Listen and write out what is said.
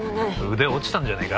腕落ちたんじゃねえか？